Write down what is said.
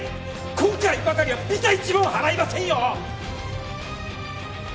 今回ばかりはビタ一文払いませんよ！